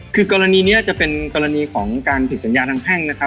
คือกรณีนี้จะเป็นกรณีของการผิดสัญญาทางแพ่งนะครับ